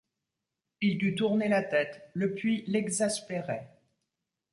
Il dut tourner la tête, le puits l’exaspérait.